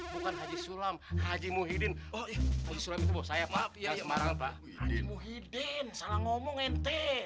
bukan haji sulam haji muhyiddin oh itu saya pak haji muhyiddin salah ngomong ente